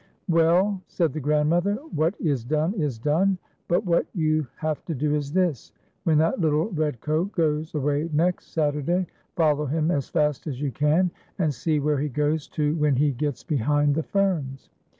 173 "Well," said the grandmother, "what Is done is done, but what \ou have to do is this : when that little Red Coat goes away next Saturday, follow him as fast as } ou can, and see where he goes to when he gets behind the ferns.